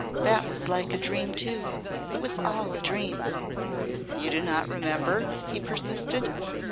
That was like a dream too. It was all a dream." "You do not remember?" he persisted.